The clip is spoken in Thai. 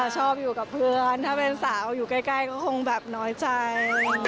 ชอบอยู่กับเพื่อนถ้าเป็นสาวอยู่ใกล้ก็คงแบบน้อยใจ